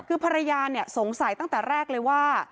คือภรรยาสงสัยตั้งแต่แรกเลยว่า